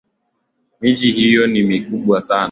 Miji hiyo ni mikubwa sana